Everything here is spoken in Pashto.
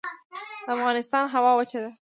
د افغانستان هوا وچه ده